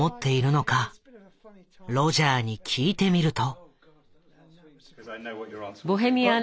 ロジャーに聞いてみると。